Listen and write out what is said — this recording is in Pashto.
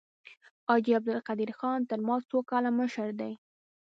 حاجي عبدالقدیر خان تر ما څو کاله مشر دی.